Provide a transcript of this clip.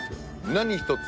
何一つ。